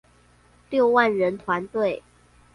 六萬人團隊